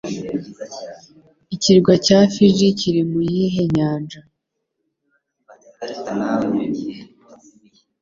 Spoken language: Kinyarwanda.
Ikirwa cya Fiji kiri mu yihe nyanja